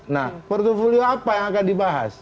nah portfolio apa yang akan dibahas